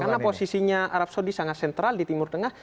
karena posisinya arab saudi sangat sentral di timur tengah